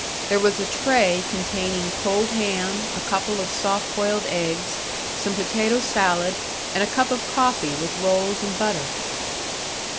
There was a tray containing cold ham, a couple of soft boiled eggs, some potato salad, and a cup of coffee with rolls and butter.